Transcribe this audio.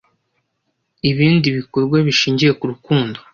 ibindi bikorwa bishingiye kurukundo